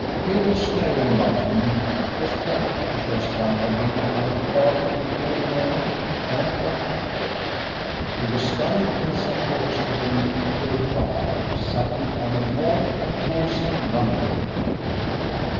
"Hill was staring about him it was probably the first time he had been to Covent Garden in the early morning and got knocked over. He was stunned, and some porters took him in to the bar, sat him on a form, and poured some rum into him.